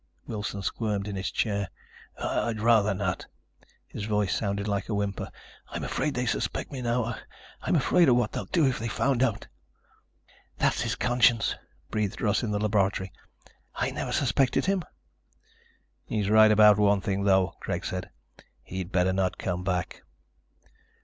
Wilson squirmed in his chair. "I'd rather not." His voice sounded like a whimper. "I'm afraid they suspect me now. I'm afraid of what they'd do if they found out." "That's his conscience," breathed Russ in the laboratory. "I never suspected him." "He's right about one thing, though," Greg said. "He'd better not come back."